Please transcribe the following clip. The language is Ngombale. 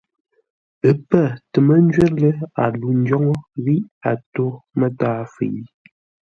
Ə́ pə́ tə mə́ ńjwə́r lə́, a lû ńdwóŋə́ ghíʼ a tó mətǎa fə̌i.